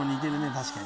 確かに。